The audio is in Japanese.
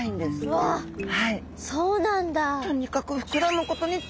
うわそうなんだ。